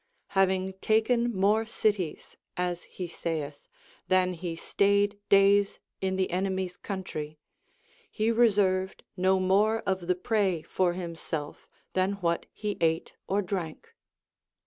Hav ing taken more cities, as he saith, than he stayed days in the enemies' country, he reserved no more of the prey for himself than what, he ate or drank.